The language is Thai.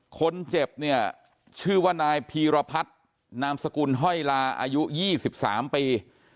คนเจ็บเนี่ยชื่อว่านายพีรพัฒนามสกุลห้อยลาอายุ๒๓ปี